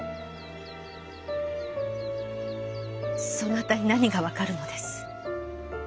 そなたに何が分かるのです。